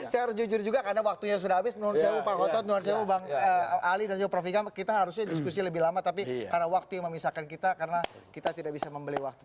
saya harus jujur juga karena waktunya sudah habis menurut saya pak hotot nuansaw bang ali dan juga prof ikam kita harusnya diskusi lebih lama tapi karena waktu yang memisahkan kita karena kita tidak bisa membeli waktu